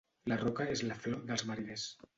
La Roca és la flor dels mariners.